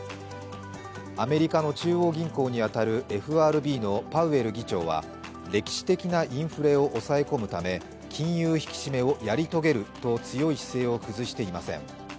アメリカの中央銀行に当たるＦＲＢのパウエル議長は歴史的なインフレを押さえ込むため金融引き締めやり遂げると強い姿勢を崩していません。